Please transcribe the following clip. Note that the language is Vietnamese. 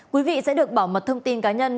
quý vị sẽ được bảo mật thông tin cá nhân